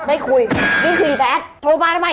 ไม่คุยนี่คือแบทโทรมาทำไม